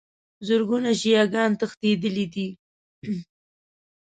زرګونو شیعه ګان تښتېدلي دي.